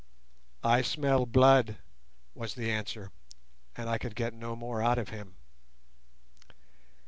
"I smell blood," was the answer; and I could get no more out of him.